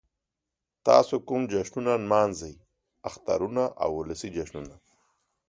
تاسو کوم جشنونه نمانځئ؟ اخترونه او ولسی جشنونه